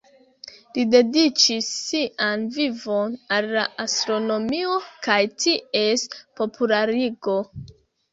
Li dediĉis sian vivon al la astronomio kaj ties popularigo.